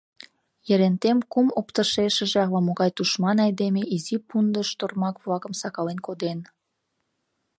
Ерентен кум оптышешыже ала-могай тушман айдеме изи пундыш тормак-влакым сакален коден.